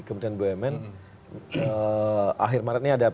kepentingan bumn akhirnya ada